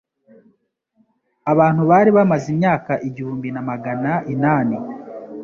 abantu bari bamaze imyaka igihumbi na magana inane